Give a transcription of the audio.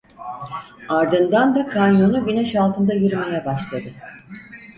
Ardından da kanyonu güneş altında yürümeye başladı.